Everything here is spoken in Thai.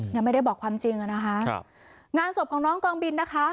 ยังไม่ได้บอกความจริงอ่ะนะคะครับงานศพของน้องกองบินนะคะ